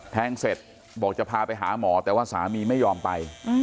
แทงเสร็จบอกจะพาไปหาหมอแต่ว่าสามีไม่ยอมไป